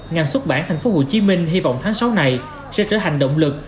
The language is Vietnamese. ngành xuất bản tp hcm hy vọng tháng sáu này sẽ trở thành động lực